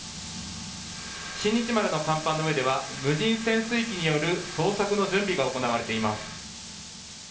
新日丸の甲板の上では無人潜水機による捜索の準備が行われています。